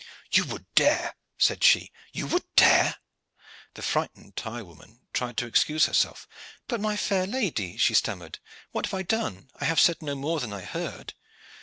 "You would dare!" said she. "You would dare!" The frightened tire woman tried to excuse herself. "But my fair lady," she stammered, "what have I done? I have said no more than I heard."